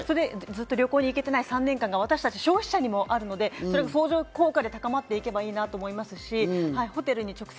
本当、コロナ禍で観光業界、打撃を受けたと思うので、ずっと旅行に行けていない３年間が私たち消費者にもあるので、相乗効果で高まっていけばいいなと思います。